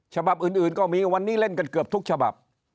ฉบับอื่นก็มีวันนี้เล่นกันเกือบทุกฉบับ